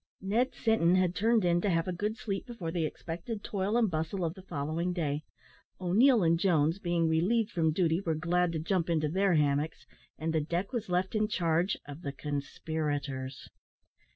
Ned Sinton had turned in to have a good sleep before the expected toil and bustle of the following day; O'Neil and Jones, being relieved from duty, were glad to jump into their hammocks; and the deck was left in charge of the conspirators.